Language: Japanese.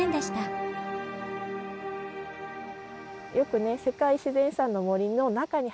よくね世界自然遺産の森の中に。